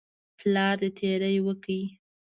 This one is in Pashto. پلار دې تیری وکړي.